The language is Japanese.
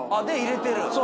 で入れてる？